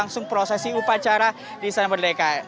langsung prosesi upacara di istana merdeka